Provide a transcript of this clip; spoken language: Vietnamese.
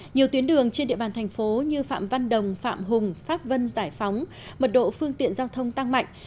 nhiều tuyến đường trên địa bàn thành phố như phạm văn đồng phạm hùng pháp vân giải phóng mật độ phương tiện giao thông tăng mạnh